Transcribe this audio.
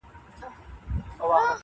له حیا نه چي سر کښته وړې خجل سوې,